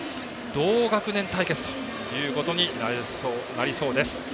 同学年対決ということになりそうです。